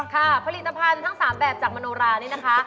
ค่ะผลิตภัณฑ์ทั้ง๓แบบจากมโนรานี่นะคะ